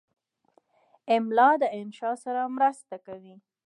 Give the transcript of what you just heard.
املا د انشا سره مرسته کوي.